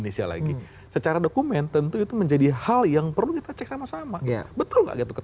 memang ada penyuapan yang itu